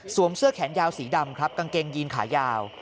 สวมเสื้อแขนยาวสีดำกางเกงยีนขายาว